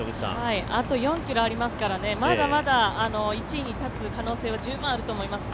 あと４ｋｍありますからね、まだまだ１位に立つ可能性は十分あると思いますね。